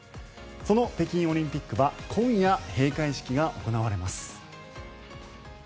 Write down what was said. その北京オリンピックは今夜、閉会式が行われます。